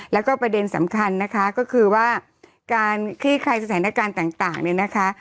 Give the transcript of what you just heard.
แล้วก็ประเด็นสำคัญนะคะก็คือว่าการคลี่คลายสถานการณ์ต่างเนี่ยนะคะ